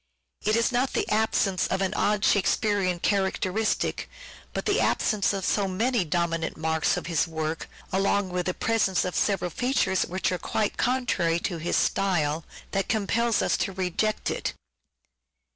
It is not the absence of an odd Shakespearean characteristic, but the absence of so many dominant marks of his work, along with the presence of several features which are quite contrary to his style, that compels us to reject it.